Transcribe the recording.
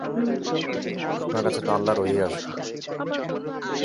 আপনার কাছে তো আল্লাহর ওহী আসে।